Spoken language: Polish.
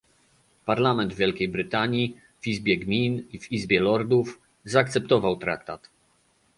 Parlament Wielkiej Brytanii - w Izbie Gmin i w Izbie Lordów - zaakceptował traktat